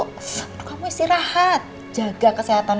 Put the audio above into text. kamu istirahat jaga kesehatan